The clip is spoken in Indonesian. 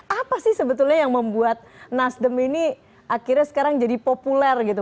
apa sih sebetulnya yang membuat nasdem ini akhirnya sekarang jadi populer gitu